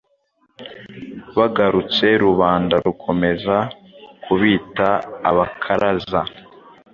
bagarutse rubanda rukomeza kubita Abakaraza ,